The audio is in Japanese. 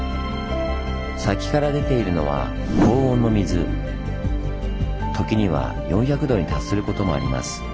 先から出ているのは時には４００度に達することもあります。